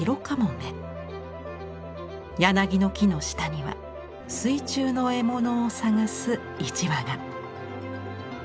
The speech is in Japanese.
柳の木の下には水中の獲物を探す一羽が。